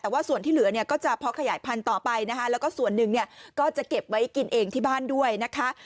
แต่ว่าส่วนที่เหลือเนี่ยก็จะพอขยายพันธุ์ต่อไปนะคะแล้วก็ส่วนหนึ่งเนี่ยก็จะเก็บไว้กินเองที่บ้านด้วยนะคะ